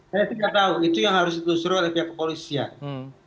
saya tidak tahu itu yang harus ditusur oleh pihak kepolisian